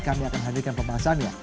kami akan hadirkan pembahasannya